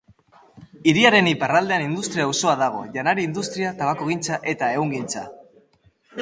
Hiriaren iparraldean industria auzoa dago: janari industria, tabakogintza eta ehungintza.